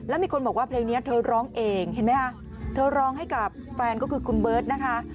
แล้วมีคนบอกว่าเพลงนี้เธอร้องเองเห็นไหมคะเธอร้องให้กับแฟนก็คือคุณเบิร์ตนะคะ